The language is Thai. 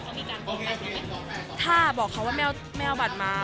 เขามีการโอนไปใช่ไหมถ้าบอกเขาว่าไม่เอาไม่เอาบัตรมา